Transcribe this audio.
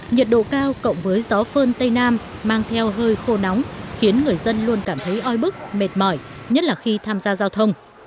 nhiệt độ cao cộng với gió phơn tây nam mang theo hơi khô nóng khiến người dân luôn cảm thấy oi bức mệt mỏi nhất là khi tham gia giao thông